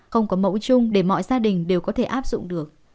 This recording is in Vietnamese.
không có mẫu chung để mọi gia đình đều có thể áp dụng được